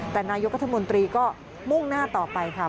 แต่นายกรัฐมนตรีก็มุ่งหน้าต่อไปค่ะ